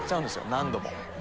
何度も。